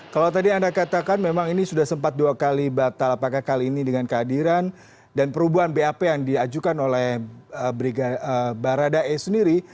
kalau tadi anda katakan memang ini sudah sempat dua kali batal apakah kali ini dengan kehadiran dan perubahan bap yang diajukan oleh baradae sendiri